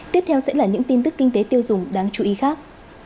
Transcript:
tiếp theo sẽ là những tin tức kinh tế tiêu dùng đáng chú ý khác